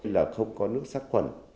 là không có nước sắc quẩn